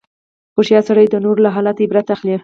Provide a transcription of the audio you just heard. هوښیار سړی د نورو له حاله عبرت اخلي.